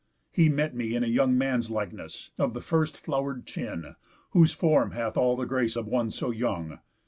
He met me in A young man's likeness, of the first flow'r'd chin, Whose form hath all the grace of one so young.